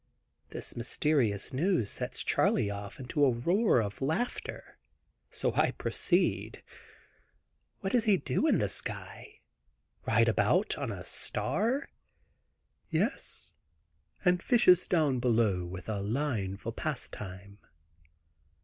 This mysterious news sets Charley off into a roar of laughter, so I proceed: "What does he do in the sky? ride about on a star?" "Yes; and fishes below with a line for pastime."